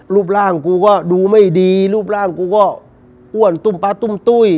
รูปร่างกูก็ดูไม่ดีรูปร่างกูก็อ้วนตุ้มป๊าตุ้มตุ้ย